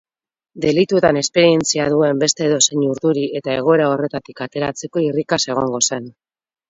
Delituetan esperientzia duen beste edozein urduri eta egoera horretatik ateratzeko irrikaz egongo zen.